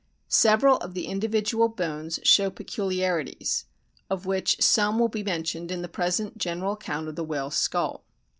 Several of the individual bones show peculiarities, of which some will be mentioned in the present general account of the whale's skull.